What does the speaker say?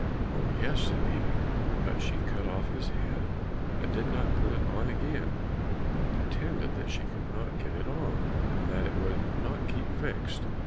"Oh, yes," said he. But she cut off his head, and did not put it on again; but pretended that she could not get it on, and that it would not keep fixed.